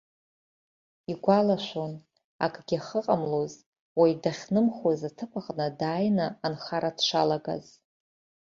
Игәалашәон, акгьы ахьыҟамлоз, уаҩ дахьнымхоз аҭыԥ аҟны дааины анхара дшалагаз.